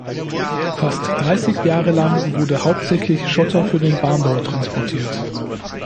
Fast dreißig Jahre lang wurde hauptsächlich Schotter für den Bahnbau transportiert.